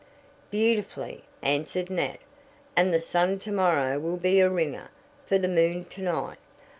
"Beautifully," answered Nat; "and the sun to morrow will be a 'ringer' for the moon to night.